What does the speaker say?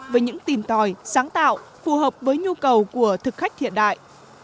với những tìm tòi sáng tạo phù hợp với nhu cầu của thực khách hiện đại